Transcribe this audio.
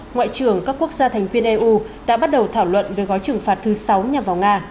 ngoại trưởng các quốc gia thành viên eu đã bắt đầu thảo luận về gói trừng phạt thứ sáu nhằm vào nga